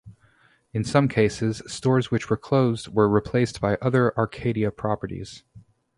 In some cases stores which were closed were replaced by other Arcadia properties.